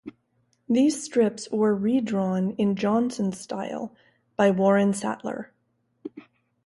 These strips were redrawn in Johnson's style by Warren Sattler.